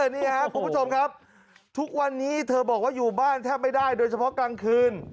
นี่ครับคุณผู้ชมครับทุกวันนี้เธอบอกว่าอยู่บ้านแทบไม่ได้โดยเฉพาะกลางคืน